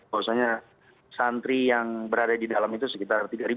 bahwasanya santri yang berada di dalam itu sekitar tiga